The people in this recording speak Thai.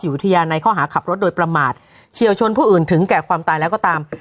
วิทยาในข้อหาขับรถโดยประมาทเฉียวชนผู้อื่นถึงแก่ความตายแล้วก็ตาม